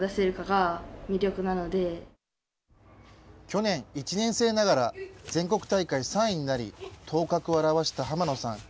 去年、１年生ながら全国大会３位になり頭角を現した濱野さん。